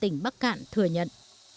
tỉnh bắc cản thừa nhận